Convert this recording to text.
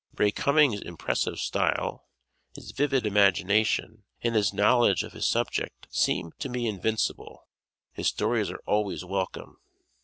Ray Cummings' impressive style, his vivid imagination, and his knowledge of his subject seem to me invincible. His stories are always welcome.